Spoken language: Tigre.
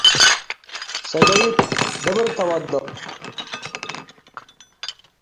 ሰደይት ደብር ተአወድቅ።